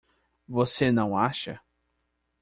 Você não acha?